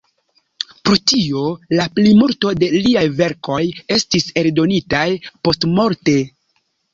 Pro tio la plimulto de liaj verkoj estis eldonitaj postmorte.